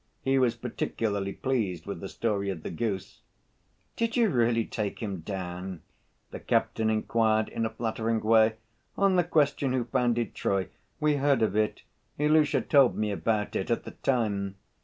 He was particularly pleased with the story of the goose. "Did you really take him down?" the captain inquired, in a flattering way. "On the question who founded Troy? We heard of it, Ilusha told me about it at the time."